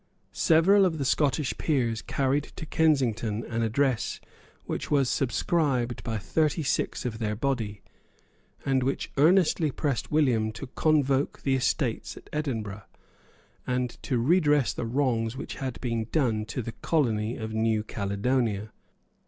Several of the Scottish peers carried to Kensington an address which was subscribed by thirty six of their body, and which earnestly pressed William to convoke the Estates at Edinburgh, and to redress the wrongs which had been done to the colony of New Caledonia.